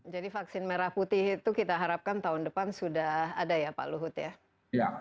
jadi vaksin merah putih itu kita harapkan tahun depan sudah ada ya pak luhut ya